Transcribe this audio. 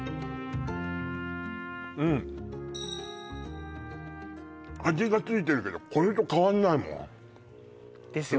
うん味が付いてるけどこれと変わんないもんですよね